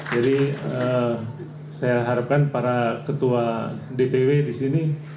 jadi saya harapkan para ketua dpw di sini